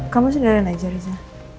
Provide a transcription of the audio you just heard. kamu sederhan aja riza